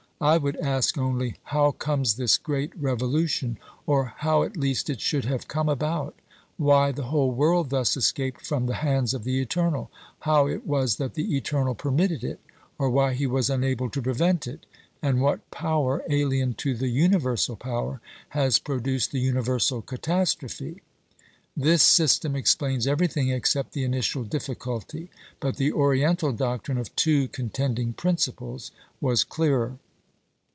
I would ask only how comes this great revolution, or how at least it should have come about ; why the whole world thus escaped from the hands of the Eternal ; how it was that the Eternal permitted it, or why He was unable to prevent it; and what power, alien to the Universal Power, has produced the universal catastrophe? This system explains everything except the initial difficulty, but the Oriental doctrine of two contend ing principles was clearer.